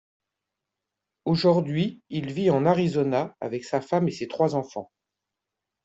Aujourd'hui, il vit en Arizona avec sa femme et ses trois enfants.